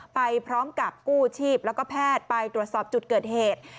ไปพร้อมกับกู้ชีพแล้วก็แพทย์ไปตรวจสอบจุดเกิดเหตุ